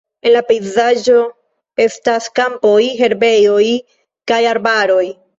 En la pejzaĝo estas kampoj, herbejoj kaj arbaroj.